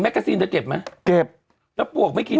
แล้วปวกไม่กินหรอ